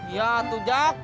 ya tuh jak